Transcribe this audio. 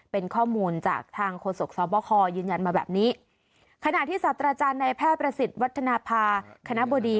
เป็นข้อมูลจากทางโฆษกสอบคอยืนยันมาแบบนี้ขณะที่ศาสตราจารย์ในแพทย์ประสิทธิ์วัฒนภาคณะบดี